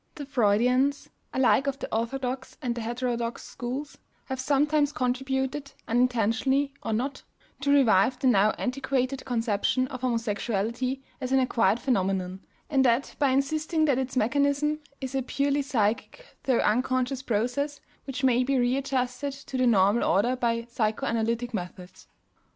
The Freudians alike of the orthodox and the heterodox schools have sometimes contributed, unintentionally or not, to revive the now antiquated conception of homosexuality as an acquired phenomenon, and that by insisting that its mechanism is a purely psychic though unconscious process which may be readjusted to the normal order by psychoanalytic methods.